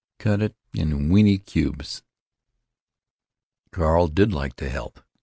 Cut it into weenty cubes." Carl did like to help.